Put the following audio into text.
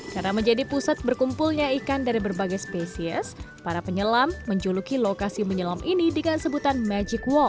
karena menjadi pusat berkumpulnya ikan dari berbagai spesies para penyelam menjuluki lokasi menyelam ini dengan sebutan magic wall